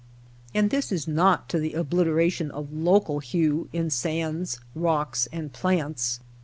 And this not to the obliteration of local hue in sands, rocks, and plants.